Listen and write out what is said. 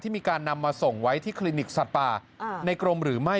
มีการนำมาส่งไว้ที่คลินิกสัตว์ป่าในกรมหรือไม่